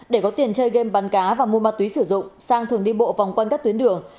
để có tiền chơi game bắn cá và mua ma túy sử dụng sang thường đi bộ vòng quanh các tuyến đường